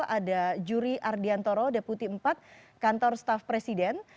ada juri ardian toro deputi empat kantor staff presiden